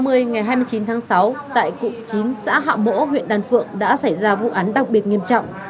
khoảng tám h ba mươi ngày hai mươi chín tháng sáu tại cục chín xã hạ mỗ huyện đan phượng đã xảy ra vụ án đặc biệt nghiêm trọng